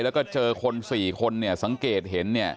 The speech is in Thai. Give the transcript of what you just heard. แล้วก็เจอคนสี่คนสังเกตเห็น